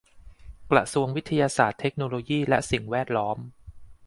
กระทรวงวิทยาศาสตร์ เทคโนโลยี และสิ่งแวดล้อม